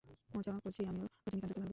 মজা করছি, আমিও রজনীকান্তকে ভালবাসি।